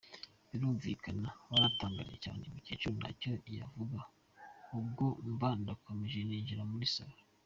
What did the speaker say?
Birumvikana barantangariye cyane, mukecuru ntacyo yavugaga ubwo mba ndakomeje ninjiye muri salon.